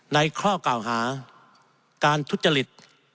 ข้อกล่าวหาการทุจริต